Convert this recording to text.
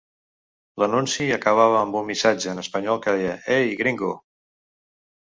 L'anunci acabava amb un missatge en espanyol que deia: "Ei, gringo".